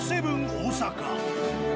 大阪。